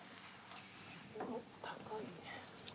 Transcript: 高いね。